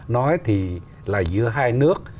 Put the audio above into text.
nói thì là giữa hai nước